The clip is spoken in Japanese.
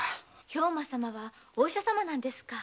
兵馬様はお医者様なんですか？